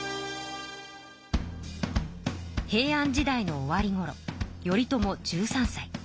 平安時代の終わりごろ頼朝１３さい。